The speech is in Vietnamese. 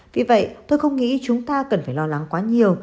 vì vậy tôi không nghĩ chúng ta cần phải lo lắng quá nhiều